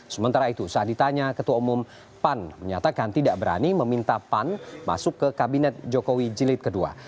sementara itu saat ditanya ketua umum pan menyatakan tidak berani meminta pan masuk ke kabinet jokowi jilid ii